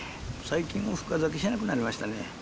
最近は深酒しなくなりましたね。